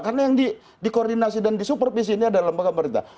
karena yang dikoordinasi dan disupervisi ini adalah lembaga pemerintah